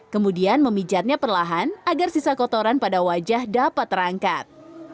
kemudian memijatnya perlahan agar sisa kotoran pada wajah dapat terangkat